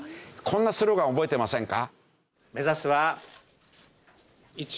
こんなスローガン覚えてませんか？